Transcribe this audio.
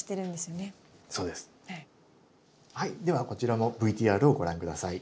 はいではこちらもＶＴＲをご覧下さい。